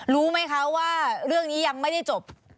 รู้ไหมคะว่าเรื่องนี้ยังไม่ได้จบ